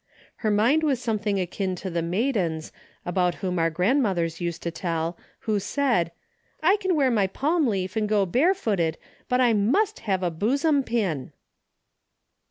Her mind was something akin to the maiden's about whom our grandmothers used to tell, who said :" I ken wear my palm leaf and go bare footed, but I must have a buzzom pin."